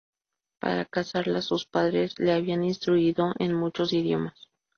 Para casarla, sus padres le habían instruido en muchos idiomas.